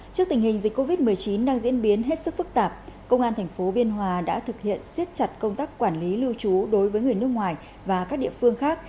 trước tình hình dịch covid một mươi chín đang diễn biến hết sức phức tạp công an tp biên hòa đã thực hiện siết chặt công tác quản lý lưu trú đối với người nước ngoài và các địa phương khác